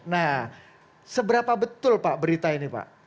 nah seberapa betul pak berita ini pak